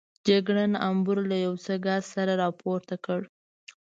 جګړن امبور له یو څه ګاز سره راپورته کړ.